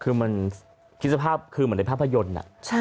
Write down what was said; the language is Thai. คือมันคิดสภาพคือเหมือนในภาพยนตร์